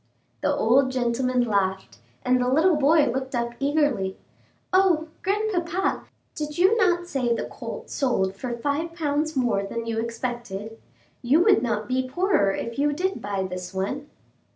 The old gentleman laughed, and the little boy looked up eagerly. "O, grandpapa, did you not say the colt sold for five pounds more than you expected? You would not be poorer if you did buy this one."